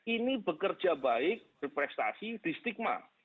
ini bekerja baik berprestasi di stigma